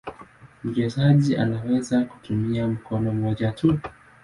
Mchezaji anaweza kutumia mkono mmoja tu.